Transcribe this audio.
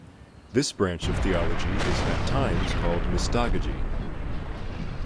This branch of theology is at times called mystagogy.